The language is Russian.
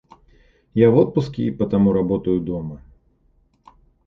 Я в отпуске и потому работаю дома.